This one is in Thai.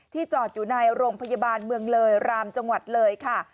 จอดอยู่ในโรงพยาบาลเมืองเลยรามจังหวัดเลยค่ะ